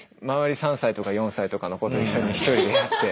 ３歳とか４歳とかの子と一緒に一人でやって。